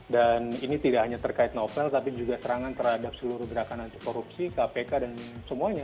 dan ini tidak hanya terkait novel tapi juga serangan terhadap seluruh gerakan anti korupsi kpk dan semuanya